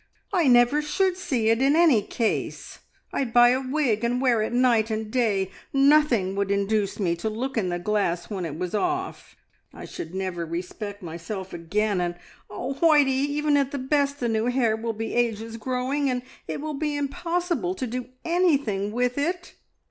"I never should see it in any case. I'd buy a wig and wear it night and day. Nothing would induce me to look in the glass when it was off. I should never respect myself again. And oh, Whitey, even at the best the new hair will be ages growing, and it will be impossible to do anything with it!"